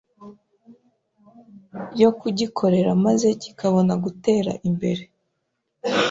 yo kugikorera maze kikabona gutera imbere